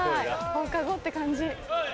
放課後って感じ。